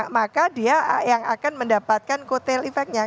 maka dia yang akan mendapatkan kotel efeknya